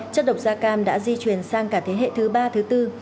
chất độc da cam đã di truyền sang cả thế hệ thứ ba thứ bốn